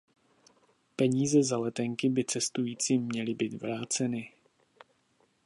Peníze za letenky by cestujícím měly být vráceny.